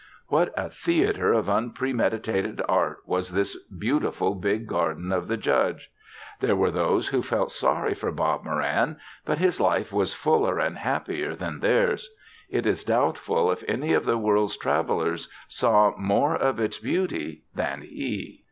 What a theater of unpremeditated art was this beautiful, big garden of the Judge! There were those who felt sorry for Bob Moran but his life was fuller and happier than theirs. It is doubtful if any of the world's travelers saw more of its beauty than he.